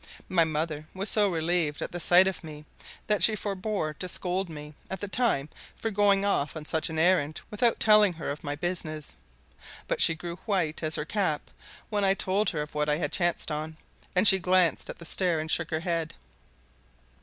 My mother was so relieved at the sight of me that she forbore to scold me at that time for going off on such an errand without telling her of my business; but she grew white as her cap when I told her of what I had chanced on, and she glanced at the stair and shook her head.